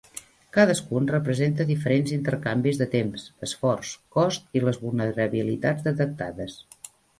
Cadascun representa diferents intercanvis de temps, esforç, cost i les vulnerabilitats detectades.